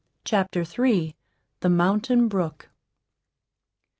CHAPTER III. THE MOUNTAIN BROOK.